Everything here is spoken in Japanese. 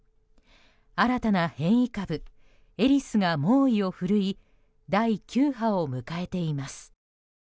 新たな変異株エリスが猛威を振るい第９波を迎えています。